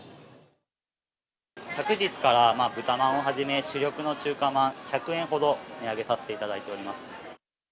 昨日から豚まんをはじめ、主力の中華まん、１００円ほど値上げさせていただいております。